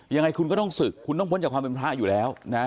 ยังไงคุณก็ต้องศึกคุณต้องพ้นจากความเป็นพระอยู่แล้วนะ